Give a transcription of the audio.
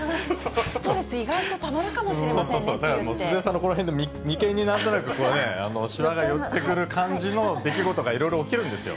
ストレス、意外とたまるかも鈴江さんのこの辺に、みけんに、なんとなくね、しわが寄ってくる感じの出来事がいろいろ起きるんですよ。